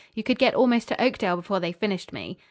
"You could get almost to Oakdale before they finished me."